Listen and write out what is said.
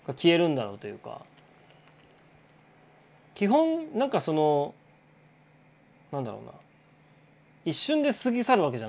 基本なんかその何だろうな一瞬で過ぎ去るわけじゃないんですよね。